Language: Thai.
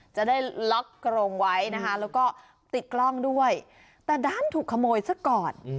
จะได้ล็อกกรงไว้นะคะแล้วก็ติดกล้องด้วยแต่ด้านถูกขโมยซะก่อน